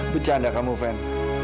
bercanda kamu fen